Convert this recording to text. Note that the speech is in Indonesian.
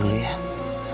aku pulang dulu ya